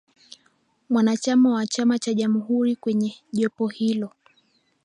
Wanachama wa chama cha Jamhuri kwenye jopo hilo